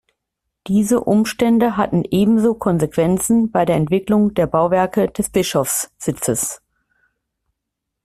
Diese Umstände hatten ebenso Konsequenzen bei der Entwicklung der Bauwerke des Bischofssitzes.